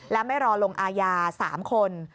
และไม่รอลงอาญา๓คน